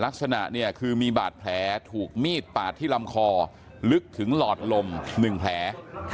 ลักษณะเนี่ยคือมีบาดแผลถูกมีดปาดที่ลำคอลึกถึงหลอดลม๑แผล